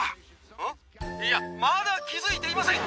「うん？いやまだ気付いていません」